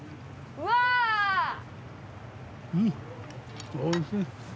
うんおいしい。